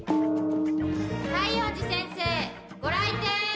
西園寺先生ご来店！